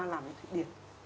làm với thụy điệt